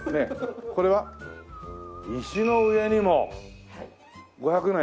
これは石の上にも五百年。